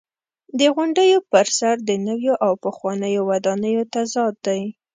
د غونډیو پر سر د نویو او پخوانیو ودانیو تضاد دی.